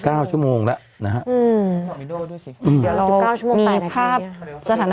สิบเก้าชั่วโมงแล้วนะฮะอืมสิบเก้าชั่วโมงไปสิบเก้าชั่วโมงไป